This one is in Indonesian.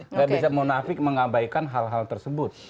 nggak bisa munafik mengabaikan hal hal tersebut